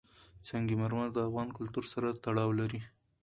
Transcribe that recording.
سنگ مرمر د افغان کلتور سره تړاو لري.